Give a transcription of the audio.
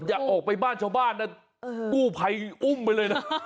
อย่าออกไปบ้านชาวบ้านนะกู้ภัยอุ้มไปเลยนะ